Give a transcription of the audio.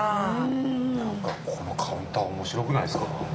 何かこのカウンター面白くないですか？